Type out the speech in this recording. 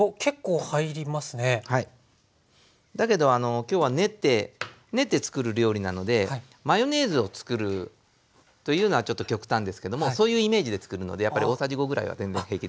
だけど今日は練って練ってつくる料理なのでマヨネーズをつくるというのはちょっと極端ですけどもそういうイメージでつくるのでやっぱり大さじ５ぐらいは全然平気です。